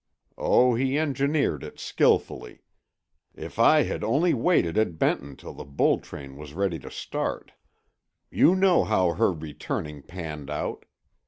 Oh, he engineered it skilfully. If I had only waited at Benton till the bull train was ready to start! "You know how her returning panned out.